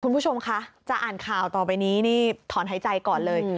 คุณผู้ชมคะจะอ่านข่าวต่อไปนี้นี่ถอนหายใจก่อนเลย